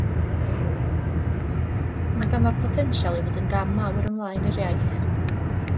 Mae ganddo'r potensial i fod yn gam mawr ymlaen i'r iaith.